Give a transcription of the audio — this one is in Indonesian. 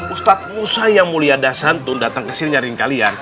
ustaz musa yang mulia dasantu datang kesini nyariin kalian